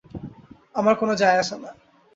আমার কোনো যায় আসে না!